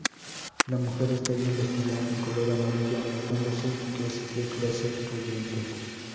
La mujer está bien vestida, en color amarillo, notándose que es de clase pudiente.